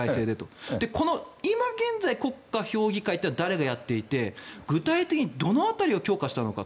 今現在、国家評議会は誰がやっていて具体的にどの辺りを強化したのか。